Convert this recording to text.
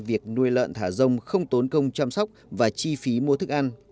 việc nuôi lợn thả rông không tốn công chăm sóc và chi phí mua thức ăn